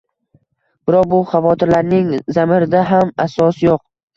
Biroq, bu xavotirlarning zamirida ham asos yo‘q